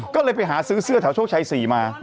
ก็เลยไปหาซื้อเสื้อแถวโชคชัย๔มา